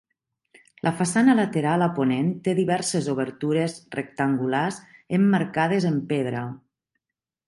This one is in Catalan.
La façana lateral a ponent té diverses obertures rectangulars emmarcades en pedra.